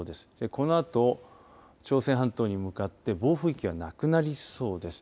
このあと朝鮮半島に向かって暴風域はなくなりそうです。